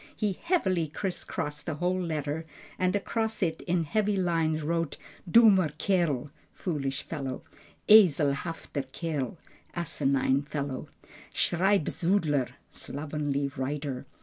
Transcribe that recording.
He heavily criss crossed the whole letter, and across it in heavy lines wrote, "Dummer Kerl" (foolish fellow), "Eselhafter Kerl" (asinine fellow), "Schreibsudler" (slovenly writer).